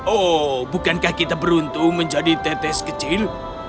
oh bukankah kita beruntung menjadi tetes kecil